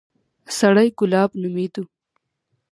سړى ګلاب نومېده.